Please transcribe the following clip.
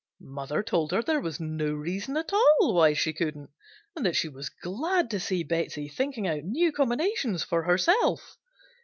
Mother told her there was no reason at all why she couldn't, and that she was glad to see Betsey thinking out new combinations for herself.